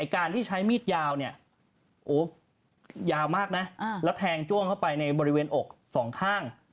การที่ใช้มีดยาวเนี่ยโอ้ยาวมากนะแล้วแทงจ้วงเข้าไปในบริเวณอกสองข้าง